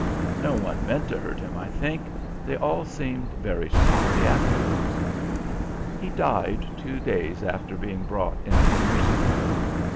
No one meant to hurt him, I think. They all seemed very sorry afterwards.... He died two days after being brought into the Nursing Home.